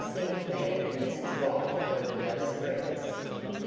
Sinclair and Mrs. White were close friends.